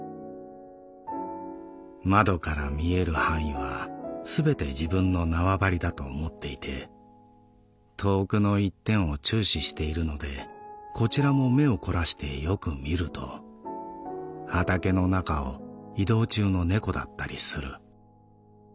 「窓から見える範囲はすべて自分の縄張りだと思っていて遠くの一点を注視しているのでこちらも目をこらしてよく見ると畑の中を移動中の猫だったりする。